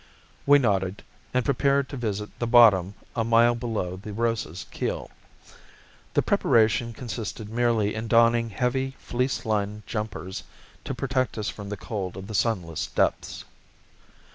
We nodded, and prepared to visit the bottom a mile below the Rosa's keel. The preparation consisted merely in donning heavy, fleece lined jumpers to protect us from the cold of the sunless depths.